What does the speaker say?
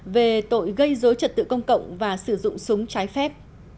về tội gây dối trật tự công cộng và sử dụng súng trái phép